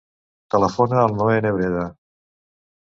Telefona al Noè Nebreda.